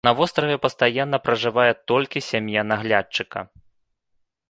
На востраве пастаянна пражывае толькі сям'я наглядчыка.